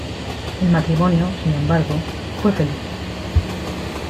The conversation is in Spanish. El matrimonio, sin embargo, fue feliz.